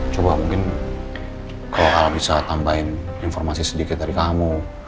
coba mungkin kalau bisa tambahin informasi sedikit dari kamu